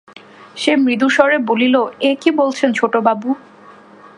সে মৃদুস্বরে বলিল, এ কী বলছেন ছোটবাবু?